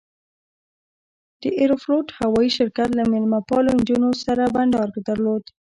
د ایروفلوټ هوایي شرکت له میلمه پالو نجونو سره بنډار درلود.